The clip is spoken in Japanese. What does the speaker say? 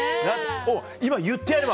今言ってやれば？